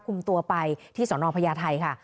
คุมตัวไปที่สนพญาไทยค่ะ